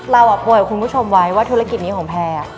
โปรยคุณผู้ชมไว้ว่าธุรกิจนี้ของแพร่